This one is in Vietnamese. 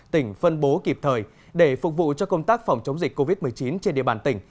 tỉnh phân bố kịp thời để phục vụ cho công tác phòng chống dịch covid một mươi chín trên địa bàn tỉnh